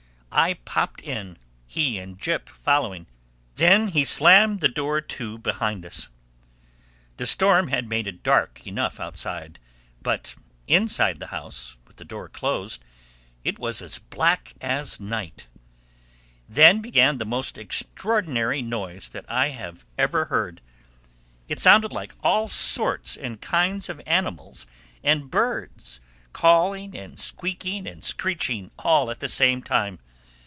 I popped in, he and Jip following. Then he slammed the door to behind us. The storm had made it dark enough outside; but inside the house, with the door closed, it was as black as night. Then began the most extraordinary noise that I have ever heard. It sounded like all sorts and kinds of animals and birds calling and squeaking and screeching at the same time.